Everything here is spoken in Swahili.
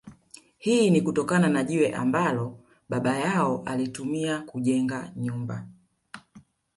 Hii ni kutokana na jiwe ambalo baba yao alitumia kujenga nyumba